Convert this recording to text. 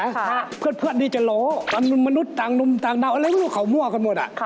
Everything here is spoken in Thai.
อะไรหมดเขามั่วคนหมด